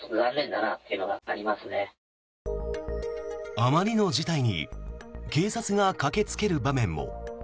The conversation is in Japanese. あまりの事態に警察が駆けつける場面も。